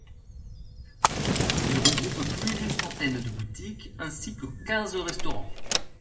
Il regroupe plus d'une centaine de boutiques ainsi que quinze restaurants.